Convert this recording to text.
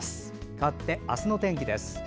かわって、明日の天気です。